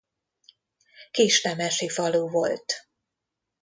Kisnemesi falu volt.